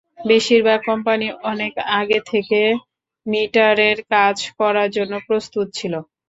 বেশির ভাগ কোম্পানি অনেক আগে থেকে মিটারের কাজ করার জন্য প্রস্তুত ছিল।